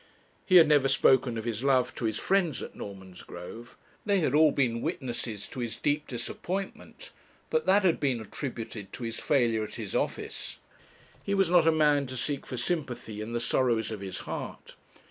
He had never spoken of his love to his friends at Normansgrove. They had all been witnesses to his deep disappointment, but that had been attributed to his failure at his office. He was not a man to seek for sympathy in the sorrows of his heart.